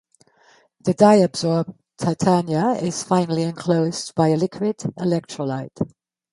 The dye-absorbed titania is finally enclosed by a liquid electrolyte.